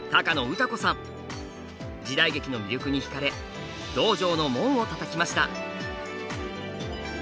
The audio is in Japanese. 時代劇の魅力にひかれ道場の門をたたきました。